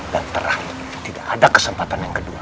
dan terakhir tidak ada kesempatan yang kedua